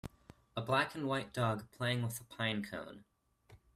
A black and white dog playing with a pine cone.